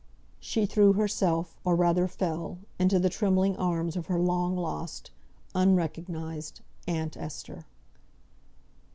She threw herself, or rather fell, into the trembling arms of her long lost, unrecognised aunt Esther.